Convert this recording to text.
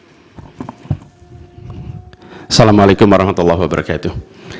assalamu alaikum warahmatullahi wabarakatuh